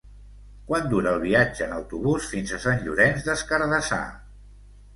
Quant dura el viatge en autobús fins a Sant Llorenç des Cardassar?